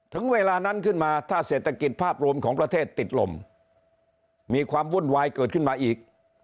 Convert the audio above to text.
ถึงเวลานั้นขึ้นมาถ้าเศรษฐกิจภาพรวมของประเทศติดลมมีความวุ่นวายเกิดขึ้นมาอีก